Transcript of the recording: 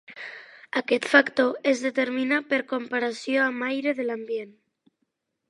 Aquest factor es determina per comparació amb aire de l’ambient.